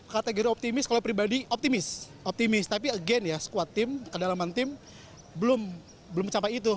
kategori optimis kalau pribadi optimis optimis tapi again ya squad tim kedalaman tim belum mencapai itu